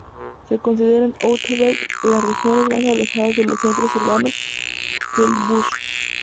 Se consideran "outback" las regiones más alejadas de los centros urbanos que el "bush".